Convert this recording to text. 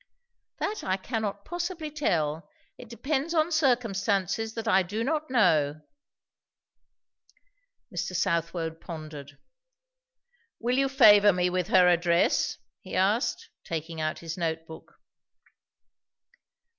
"That I cannot possibly tell. It depends on circumstances that I do not know." Mr. Southwode pondered. "Will you favour me with her address?" he asked, taking out his notebook.